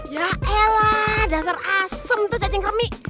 ya ella dasar asem tuh cacing kermi